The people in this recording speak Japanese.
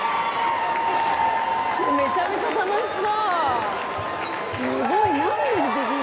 めちゃめちゃ楽しそう！